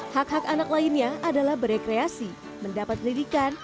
hak hak anak lainnya adalah berekreasi mendapat pendidikan